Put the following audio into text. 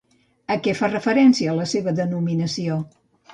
A què fa referència la seva denominació?